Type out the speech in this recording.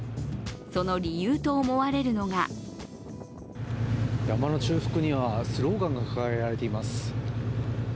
その理由と思われるのが山の中腹にはスローガンが掲げられています。